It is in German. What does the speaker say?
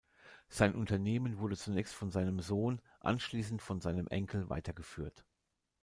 Sein Unternehmen wurde zunächst von seinem Sohn, anschliessend von seinem Enkel weitergeführt.